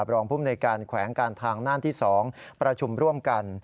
รองภูมิในการแขวงการทางน่านที่๒ประชุมร่วมกัน